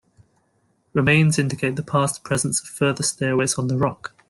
Remains indicate the past presence of further stairways on the rock.